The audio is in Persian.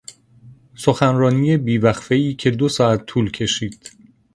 سخنرانی بی وقفهای که دو ساعت طول کشید